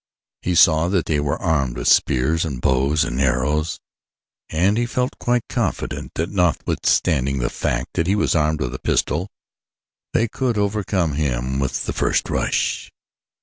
He saw that they were armed with spears and with bows and arrows, and he felt quite confident that notwithstanding the fact that he was armed with a pistol they could overcome him with the first rush.